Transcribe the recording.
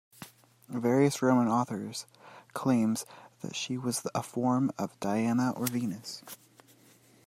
Various Roman authors claims that she was a form of Diana or Venus.